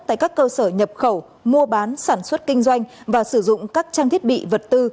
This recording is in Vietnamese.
tại các cơ sở nhập khẩu mua bán sản xuất kinh doanh và sử dụng các trang thiết bị vật tư